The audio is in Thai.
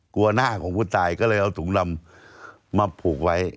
หน้าของผู้ตายก็เลยเอาถุงดำมาผูกไว้